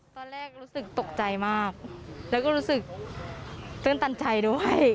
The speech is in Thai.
ตอนแรกรู้สึกตกใจมากแล้วก็รู้สึกตื่นตันใจด้วย